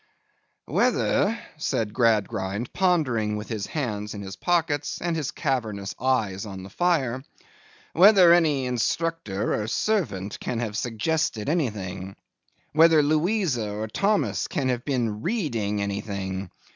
'Whether,' said Gradgrind, pondering with his hands in his pockets, and his cavernous eyes on the fire, 'whether any instructor or servant can have suggested anything? Whether Louisa or Thomas can have been reading anything?